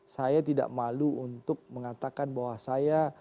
saya tidak malu untuk mengatakan bahwa saya